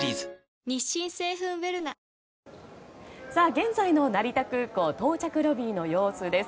現在の成田空港到着ロビーの様子です。